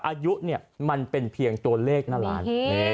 อายุเนี่ยมันเป็นเพียงตัวเลขหน้าร้าน